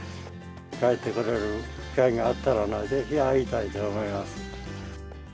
帰ってこられる機会があったら、ぜひ会いたいと思います。